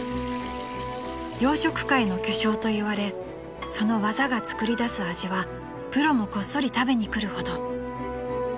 ［洋食界の巨匠といわれその技が作り出す味はプロもこっそり食べに来るほど］